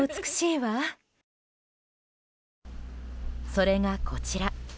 それが、こちら。